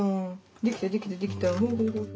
できたできたできた。